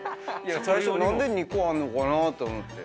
最初何で２個あんのかなって思って。